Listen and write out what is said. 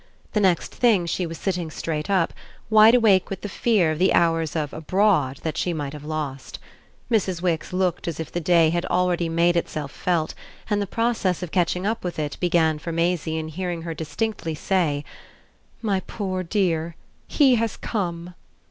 The next thing she was sitting straight up, wide awake with the fear of the hours of "abroad" that she might have lost. Mrs. Wix looked as if the day had already made itself felt, and the process of catching up with it began for Maisie in hearing her distinctly say: "My poor dear, he has come!"